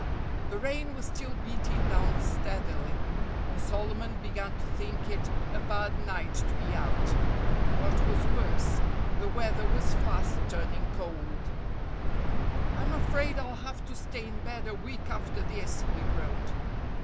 The rain was still beating down steadily. And Solomon began to think it a bad night to be out. What was worse, the weather was fast turning cold. "I'm afraid I'll have to stay in bed a week after this," he groaned.